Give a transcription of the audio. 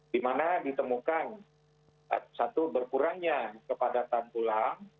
di mana ditemukan satu berkurangnya kepadatan tulang